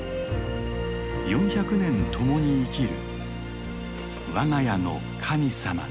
４００年共に生きる我が家の神様の木だ。